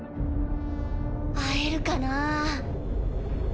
会えるかなぁ。